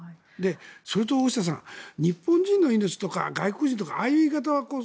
それと、大下さん日本人の命とか外国人とかああいう言い方